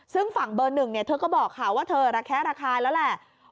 ซึ่งฝั่งเบอร์หนึ่งเธอก็บอกค่ะว่าเธอระแคะระคายแล้วแหละ